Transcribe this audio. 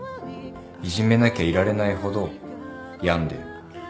いじめなきゃいられないほど病んでる。